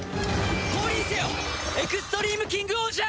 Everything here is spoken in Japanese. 降臨せよエクストリームキングオージャー！